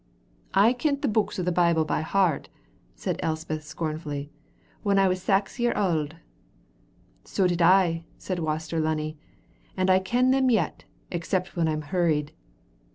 "I kent the books o' the Bible by heart," said Elspeth, scornfully, "when I was a sax year auld." "So did I," said Waster Lunny, "and I ken them yet, except when I'm hurried.